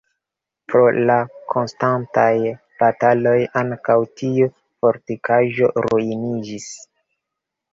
Pro la konstantaj bataloj ankaŭ tiu fortikaĵo ruiniĝis.